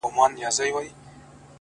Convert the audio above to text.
پاچا صفا ووت” ه پکي غل زه یم”